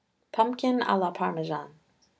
PUMPKIN A LA PARMESANE.